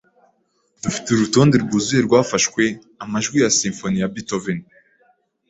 Dufite urutonde rwuzuye rwafashwe amajwi ya simfoni ya Beethoven.